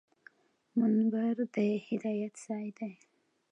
منبر د هدایت ځای دی